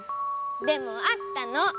でもあったの！